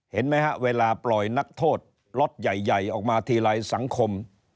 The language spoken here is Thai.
เห็นไหมฮะเวลาปล่อยนักโทษล็อตใหญ่ออกมาทีไรสังคม